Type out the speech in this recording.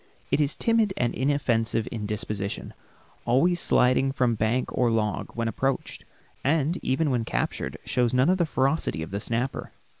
It is timid and inoffensive in disposition, always sliding from bank or log when approached, and even when captured shows none of the ferocity of the snapper.